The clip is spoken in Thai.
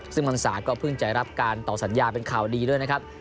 ซึ่งพรรษาก็เพิ่งจะรับการต่อสัญญาเป็นข่าวดีด้วยนะครับ